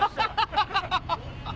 ハハハハハ！